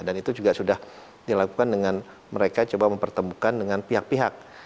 dan itu juga sudah dilakukan dengan mereka coba mempertemukan dengan pihak pihak